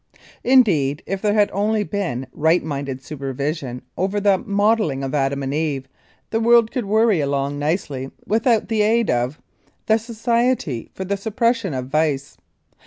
Indeed, if there had only been right minded supervision over the modelling of Adam and Eve the world could worry along nicely without the aid of the Society for the Suppression of Vice.